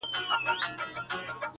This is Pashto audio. ستا د غزلونو و شرنګاه ته مخامخ يمه.